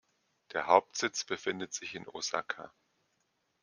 Der Hauptsitz befindet sich in Osaka.